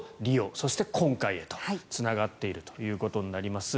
そして今回へとつながっているということになります。